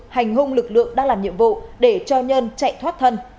hành hung lực lượng đang làm nhiệm vụ để cho nhân chạy thoát thân